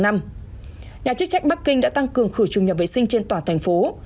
nhà chức trách bắc kinh đã tăng cường khử trùng nhà vệ sinh trên toàn thành phố